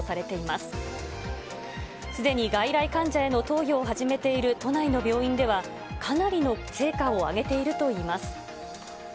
すでに外来患者への投与を始めている都内の病院では、かなりの成果を上げているといいます。